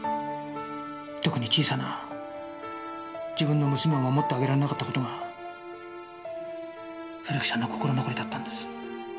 特に小さな自分の娘を守ってあげられなかった事が古木さんの心残りだったんです。